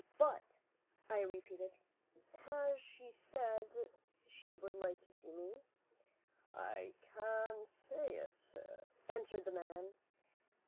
"But," I repeated, "has she said she would like to see me?" "I can't say it, sir," answered the man.